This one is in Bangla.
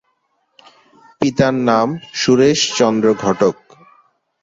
পিতার নাম সুরেশচন্দ্র ঘটক।